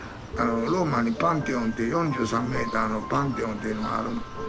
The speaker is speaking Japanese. ローマにパンテオンっていう４３メーターのパンテオンっていうのがあるの。